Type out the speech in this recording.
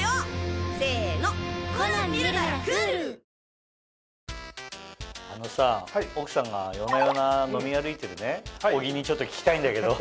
今日のお天気のように、あのさ奥さんが夜な夜な飲み歩いてる小木にちょっと聞きたいんだけど。